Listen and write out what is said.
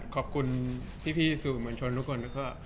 ขอบคุณพี่สื่อบุญชนทุกคน